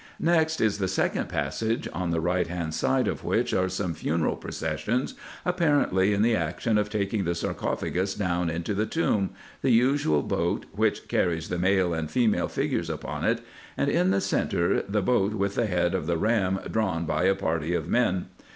Next is the second passage, on the right hand side of which are some funeral processions, apparently in the action of taking the sarcophagus down into the tomb, the usual boat, which carries the male and female figures upon it, and in the centre the boat with the head of the ram drawn by a party of men.